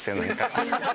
ハハハハ！